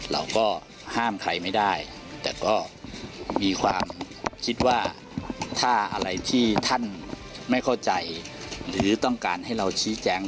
เราก็ห้ามใครไม่ได้แต่ก็มีความคิดว่าถ้าอะไรที่ท่านไม่เข้าใจหรือต้องการให้เราชี้แจง